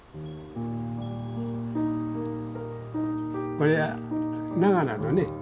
これは長良だね。